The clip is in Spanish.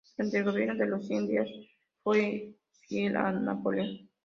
Durante el gobierno de los cien días, fue fiel a Napoleón.